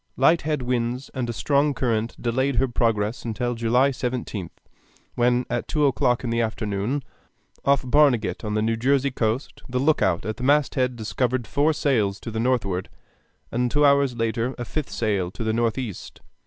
Light head winds and a strong current delayed her progress till July 17th, when at two o'clock in the afternoon, off Barnegat on the New Jersey coast, the lookout at the masthead discovered four sails to the northward, and two hours later a fifth sail to the northeast.